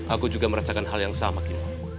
aku juga merasakan hal yang sama kim